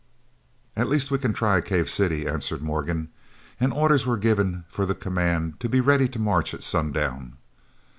"At least we can try Cave City," answered Morgan, and orders were given for the command to be ready to march at sundown.